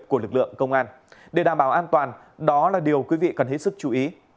của lực lượng công an để đảm bảo an toàn đó là điều quý vị cần hết sức chú ý